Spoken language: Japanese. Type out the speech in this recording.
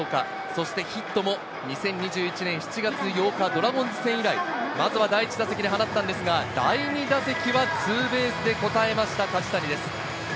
そしてヒットも２０２１日７月８日、ドラゴンズ戦以来、まずは第１打席に放ったんですが、第２打席はツーベースでこたえました、梶谷です。